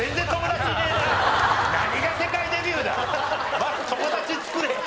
まず友達作れ！